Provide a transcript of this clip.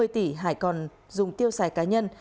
một mươi tỷ hải còn dùng tiêu xài cá nhân